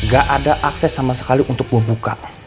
gak ada akses sama sekali untuk gue buka